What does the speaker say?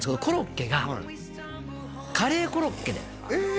コロッケがカレーコロッケでえ